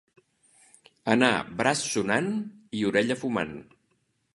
Anar braç sonant i orella fumant.